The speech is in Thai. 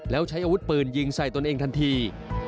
แล้วใช้อาวุธปืนยิงใส่ตนเองทันที